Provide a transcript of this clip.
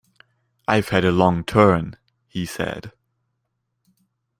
“I’ve had a long turn,” he said.